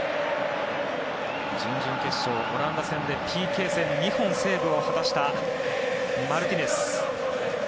準々決勝、オランダ戦でＰＫ戦、２本セーブを果たしたマルティネス。